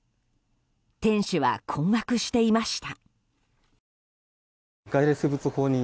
店主は、困惑していました。